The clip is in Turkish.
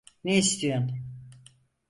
Ne istiyon…